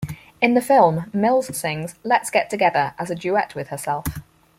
In the film, Mills sings "Let's Get Together" as a duet with herself.